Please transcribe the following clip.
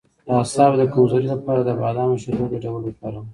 د اعصابو د کمزوری لپاره د بادام او شیدو ګډول وکاروئ